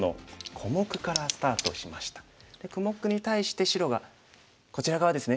小目に対して白がこちら側ですね